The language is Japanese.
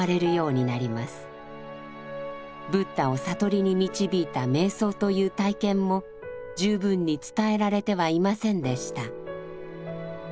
ブッダを悟りに導いた瞑想という体験も十分に伝えられてはいませんでした。